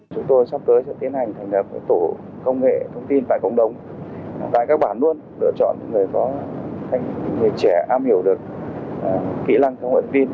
chúng tôi sắp tới sẽ tiến hành thành đập tủ công nghệ